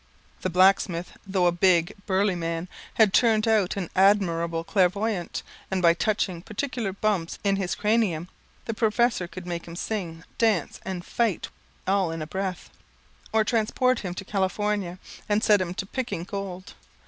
The blacksmith, though a big, burly man, had turned out an admirable clairvoyant, and by touching particular bumps in his cranium, the professor could make him sing, dance, and fight all in a breath, or transport him to California, and set him to picking gold.